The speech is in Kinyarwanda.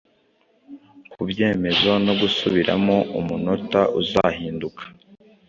Kubyemezo no gusubiramo umunota uzahinduka